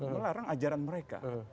melarang ajaran mereka